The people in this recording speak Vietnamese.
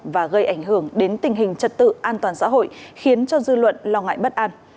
và gây ảnh hưởng đến tình hình trật tự an toàn xã hội khiến cho dư luận lo ngại bất an